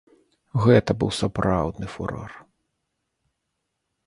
Гэта быў сапраўдны фурор.